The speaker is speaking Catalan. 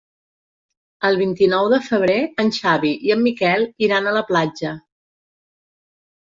El vint-i-nou de febrer en Xavi i en Miquel iran a la platja.